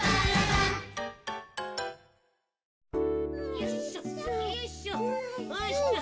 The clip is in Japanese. よいしょよいしょ。